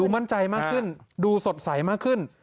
มั่นใจมากขึ้นดูสดใสมากขึ้น